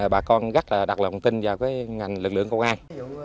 bà con rất đặc lòng tin vào ngành lực lượng công an